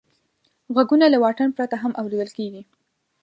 غږونه له واټن پرته هم اورېدل کېږي.